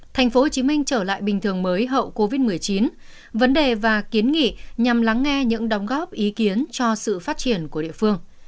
tp hcm trở lại bình thường mới hậu covid một mươi chín vấn đề và kiến nghị nhằm lắng nghe những đóng góp ý kiến cho sự phát triển của địa phương